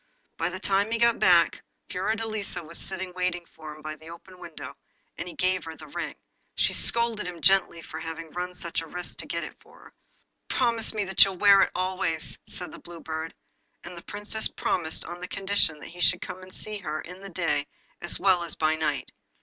By the time he got back, Fiordelisa was sitting waiting for him by the open window, and when he gave her the ring, she scolded him gently for having run such a risk to get it for her. 'Promise me that you will wear it always!' said the Blue Bird. And the Princess promised on condition that he should come and see her in the day as well as by night.